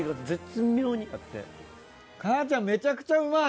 母ちゃんめちゃくちゃうまい！